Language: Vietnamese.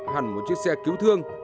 hẳn một chiếc xe cứu thương